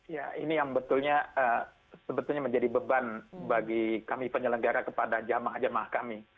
ya ini yang sebetulnya menjadi beban bagi kami penyelenggara kepada jamaah jemaah kami